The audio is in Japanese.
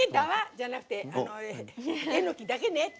じゃなくて「えのきだけ根」。